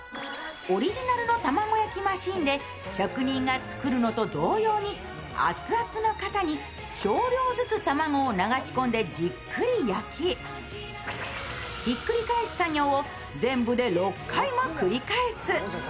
職人がつくるのと同様に熱々の型に少量ずつ卵を流し込んでじっくり焼きひっくり返す作業を全部で６回も繰り返す。